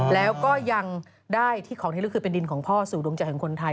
แล้วก็ยังได้ของที่เรียกคือเป็นดินของพ่อสู่ดวงจักรแห่งคนไทย